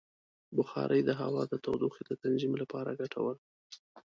بخاري د هوا د تودوخې د تنظیم لپاره ګټوره ده.